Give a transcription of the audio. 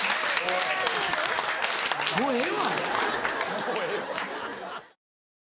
もうええわ。